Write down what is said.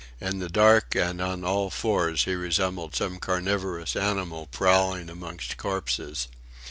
In the dark and on all fours he resembled some carnivorous animal prowling amongst corpses.